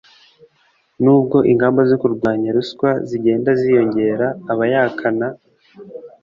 nubwo ingamba zo kurwanya ruswa zigenda ziyongera, abayaka na